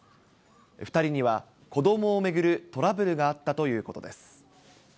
２人には子どもを巡るトラブルがあったということです。